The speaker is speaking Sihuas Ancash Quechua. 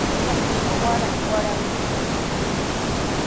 Shatuqa waran waranmi upyan.